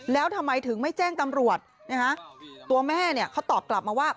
แล้วทำไมถึงไม่แจ้งตำรวจนะฮะตัวแม่เนี่ยเขาตอบกลับมาว่า